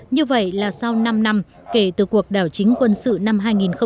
như vậy là sau năm năm kể từ cuộc đảo chính quân sự năm hai nghìn một mươi